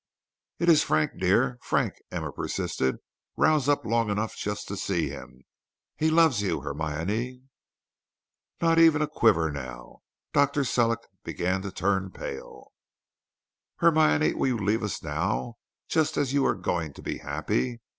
"It is Frank, dear; Frank!" Emma persisted. "Rouse up long enough just to see him. He loves you, Hermione." Not even a quiver now. Dr. Sellick began to turn pale. "Hermione, will you leave us now, just as you are going to be happy?